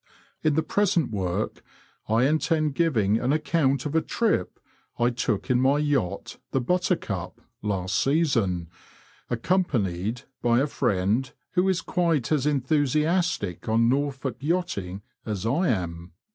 In the present work I intend giving an account of a trip I took in my yacht the Buttercup last season, accompanied by a friend who is quite as enthusiastic on Norfolk yachting as I am.